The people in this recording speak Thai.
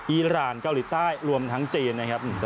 อีรานเกาหลีใต้รวมทั้งจีนนะครับ